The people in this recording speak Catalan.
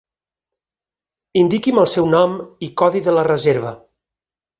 Indiqui'm el seu nom i codi de la reserva.